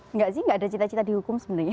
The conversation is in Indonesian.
enggak sih enggak ada cita cita di hukum sebenarnya